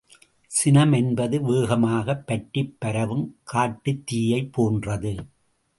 சினம் என்பது வேகமாகப் பற்றிப் பரவும் காட்டுத் தீயைப் போன்றது.